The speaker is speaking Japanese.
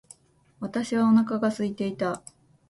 私はお腹が空いていた。